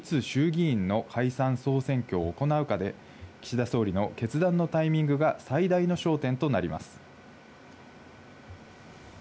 その再選のカギを握るのは、いつ衆議院の解散総選挙を行うかで岸田総理の決断のタイミングが最大の焦点となります。